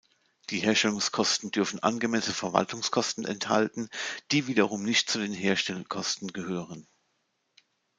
Die Herstellungskosten dürfen angemessene Verwaltungskosten enthalten, die wiederum nicht zu den Herstellkosten gehören.